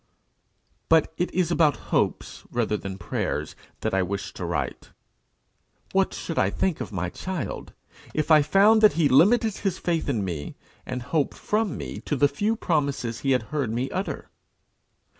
But it is about hopes rather than prayers that I wish to write. What should I think of my child, if I found that he limited his faith in me and hope from me to the few promises he had heard me utter!